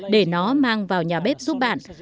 để nó mang vào nhà bếp giúp bạn